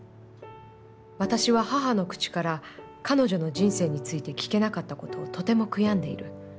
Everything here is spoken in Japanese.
私は母の口から、彼女の人生について聞けなかったことをとても悔やんでいる。